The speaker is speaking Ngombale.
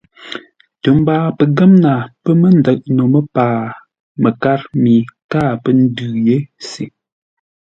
Tə mbaa pəngə́mnaa pə́ mə́ ndə̂ʼ no məpaa məkár mi káa pə́ ndʉ̂ yé se.